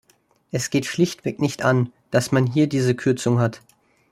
Es geht schlichtweg nicht an, dass man hier diese Kürzung hat.